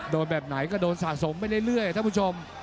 แบบไหนก็โดนสะสมไปเรื่อยท่านผู้ชม